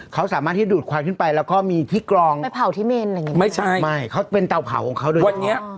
กระทั่งวัดไข่